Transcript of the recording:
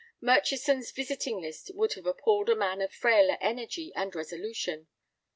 Murchison's visiting list would have appalled a man of frailer energy and resolution.